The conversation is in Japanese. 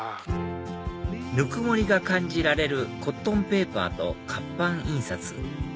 ぬくもりが感じられるコットンペーパーと活版印刷